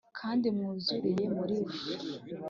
Kandi mwuzuriye muri we,